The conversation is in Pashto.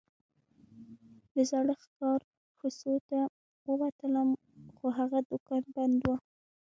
د زاړه ښار کوڅو ته ووتلم خو هغه دوکان بند و.